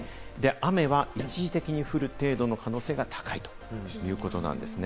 雨は一時的に降る程度の可能性が高いということなんです。